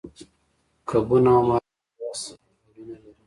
کبونه او ماران بیا سړه وینه لري